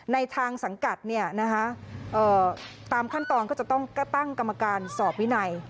ในทางสังกัดตามขั้นตอนก็จะต้องตั้งกรรมการสอบวินัย